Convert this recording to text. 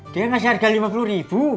dia ngasih harga rp lima puluh ribu